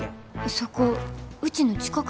そこうちの近くです。